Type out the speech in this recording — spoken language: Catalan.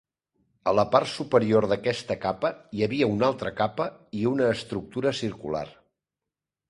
A la part superior d'aquesta capa hi havia una altra capa i una estructura circular.